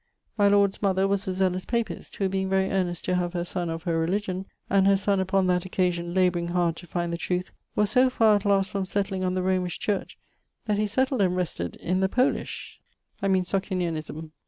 My lord's mother was a zealous papist, who being very earnest to have her son of her religion, and her son upon that occasion, labouring hard to find thetrueth, was so far at last from setling on the Romish church, that he setled and rested in the Polish (I meane Socinianisme).